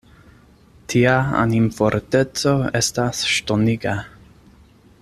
Tia animforteco estas ŝtoniga.